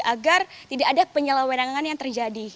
agar tidak ada penyelewenangan yang terjadi